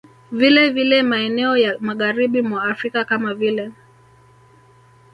Vilevile maeneo ya Magharibi mwa Afrika kama vile